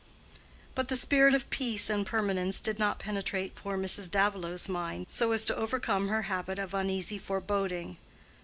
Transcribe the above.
But the spirit of peace and permanence did not penetrate poor Mrs. Davilow's mind so as to overcome her habit of uneasy foreboding.